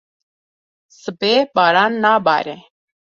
Sibê baran nabare.